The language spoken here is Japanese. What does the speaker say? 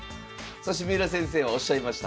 そして三浦先生はおっしゃいました。